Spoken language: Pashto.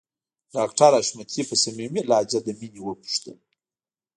ډاکټر حشمتي په صميمي لهجه له مينې وپوښتل